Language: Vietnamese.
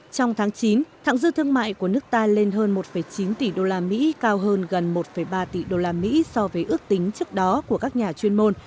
trong tháng chín thẳng dư thương mại của nước ta lên hơn một chín tỷ đô la mỹ cao hơn gần một ba tỷ đô la mỹ so với ước tính trước đó của các nhà chuyên môn